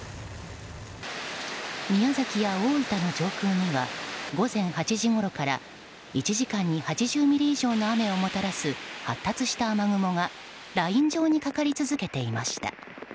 宮崎や大分の上空には午前８時ごろから１時間に８０ミリ以上の雨をもたらす発達した雨雲がライン状にかかり続けていました。